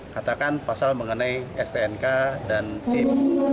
katakan pasal mengenai stnk dan sim